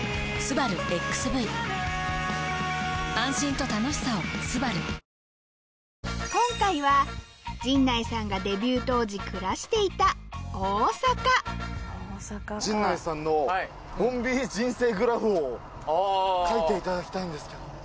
と今回は陣内さんがデビュー当時暮らしていた陣内さんのボンビー人生グラフを書いていただきたいんですけど。